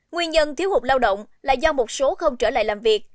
nguyên nhân thiếu hụt lao động là do một số không trở lại làm việc